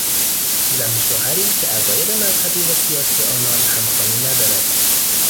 زن و شوهری که عقاید مذهبی و سیاسی آنان همخوانی ندارد